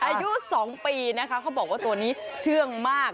อายุ๒ปีนะคะเขาบอกว่าตัวนี้เชื่องมาก